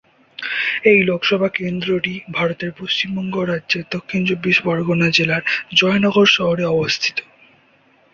এই লোকসভা কেন্দ্রটি ভারতের পশ্চিমবঙ্গ রাজ্যের দক্ষিণ চব্বিশ পরগনা জেলার জয়নগর শহরে অবস্থিত।